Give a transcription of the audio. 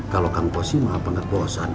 kalau kang haji maaf banget bosan